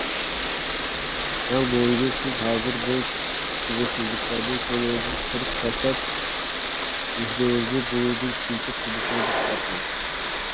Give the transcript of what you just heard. ئەڭ مۇھىمى، سىز ھازىر بۇ كۆڭۈلسىزلىكلەرنى كۆڭلىڭىزدىن چىقىرىپ تاشلاپ، زېھنىڭىزنى بۇنىڭدىن كېيىنكى تۇرمۇشىڭىزغا قارىتىڭ.